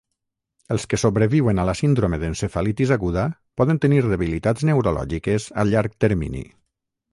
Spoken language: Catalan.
Els que sobreviuen a la síndrome d'encefalitis aguda poden tenir debilitats neurològiques a llarg termini.